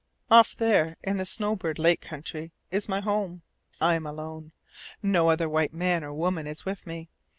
Off there, in the Snowbird Lake country, is my home. I am alone. No other white man or woman is with me.